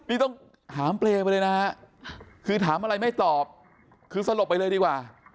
นี่ต้องหามเปรย์ไปเลยนะฮะคือถามอะไรไม่ตอบคือสลบไปเลยดีกว่า